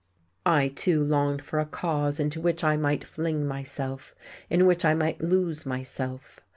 I, too, longed for a Cause into which I might fling myself, in which I might lose myself...